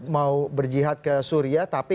mau berjihad ke suria tapi